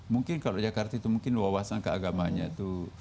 mungkin kalau jakarta itu mungkin wawasan keagamanya itu